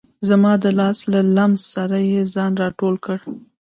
زما د لاس له لمس سره یې ځان را ټول کړ.